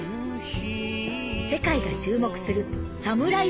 世界が注目するサムライ